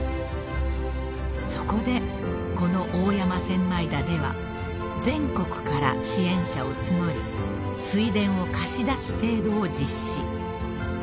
［そこでこの大山千枚田では全国から支援者を募り水田を貸し出す制度を実施］